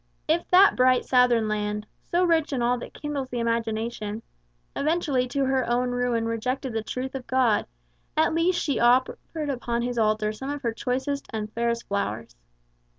If that bright southern land, so rich in all that kindles the imagination, eventually to her own ruin rejected the truth of God, at least she offered upon his altar some of her choicest and fairest flowers.